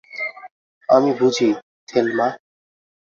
আমি বুঝি, থেলমা।